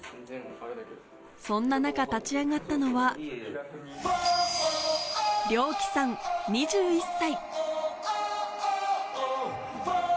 そんな中、立ち上がったのはリョウキさん、２１歳。